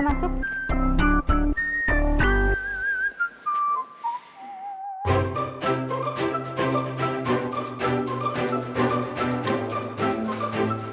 semuanya silahkan masuk